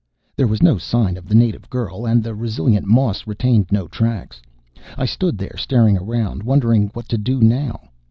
There was no sign of the native girl, and the resilient moss retained no tracks. I stood there, staring around, wondering what to do now.